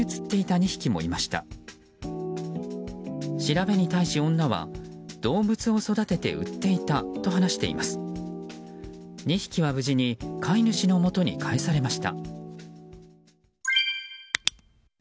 ２匹は無事に飼い主のもとに返されました。